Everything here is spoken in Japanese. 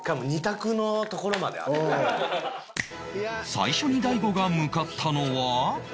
最初に大悟が向かったのは